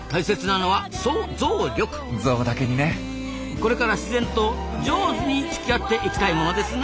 これから自然とジョーズにつきあっていきたいものですな。